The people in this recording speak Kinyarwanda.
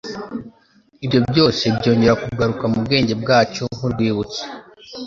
ibyo byose byongera kugaruka mu bwenge bwacu nk'urwibutso.